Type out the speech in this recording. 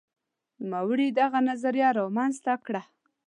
نوموړي دغه نظریه رامنځته کړه.